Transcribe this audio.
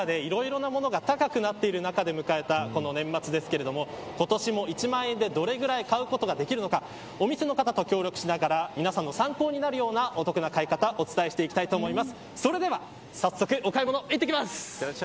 ただ、物価高でいろいろなものが高くなっている中で迎えたこの年末ですが今年も１万円でどれぐらい買うことができるのかお店の方と協力しながら皆さんの参考になるようなお得な買い方をお伝えしていきたいと思います。